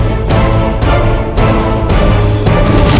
seorang prabu amukmarugum